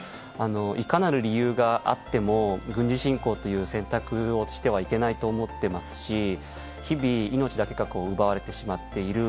いかなる理由があっても軍事侵攻という選択をしてはいけないと思っていますし日々、命だけが奪われてしまっている。